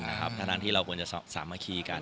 ที่หากหากที่เราจะสณะทีการ